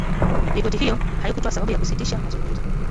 Ripoti hiyo haikutoa sababu ya kusitisha mazungumzo